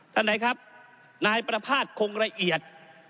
ไหนครับนายประภาษณคงละเอียด